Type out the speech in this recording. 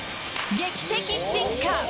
劇的進化。